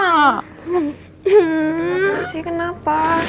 kenapa sih kenapa